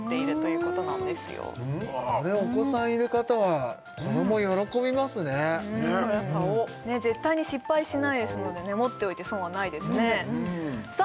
これお子さんいる方は子ども喜びますね絶対に失敗しないですので持っておいて損はないですねさあ